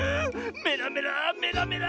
メラメラメラメラ！